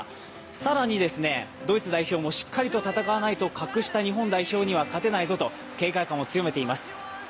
更に、ドイツ代表もしっかりと戦わないと格下、日本代表には勝てないぞと警戒感を強めています。